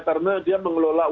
karena dia mengelola usaha